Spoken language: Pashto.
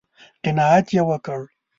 _قناعت يې وکړ؟